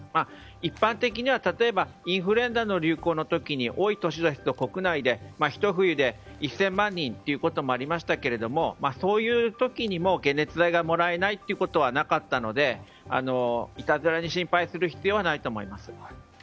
一般的には例えばインフルエンザの流行の時に多い年ですと国内でひと冬で１０００万人ということもありましたがそういう時にも解熱剤がもらえないということはなかったのでいたずらに心配する必要はないと思います。